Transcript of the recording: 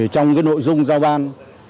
trong cái nội dung giao ban